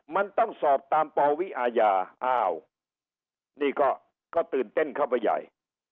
มันต้องสอบตามปวิอาญาอ้าวนี่ก็ตื่นเต้นเข้าไปใหญ่